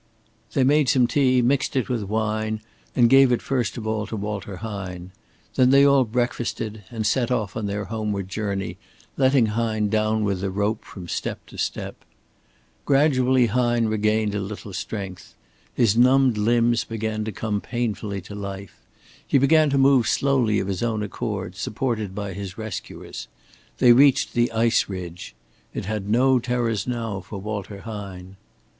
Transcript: They made some tea, mixed it with wine and gave it first of all to Walter Hine. Then they all breakfasted, and set off on their homeward journey, letting Hine down with the rope from step to step. Gradually Hine regained a little strength. His numbed limbs began to come painfully to life. He began to move slowly of his own accord, supported by his rescuers. They reached the ice ridge. It had no terrors now for Walter Hine.